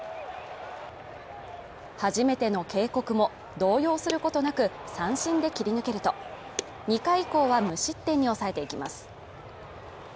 初めての警告も動揺することなく三振で切り抜けると、２回以降は無失点に抑えていきます。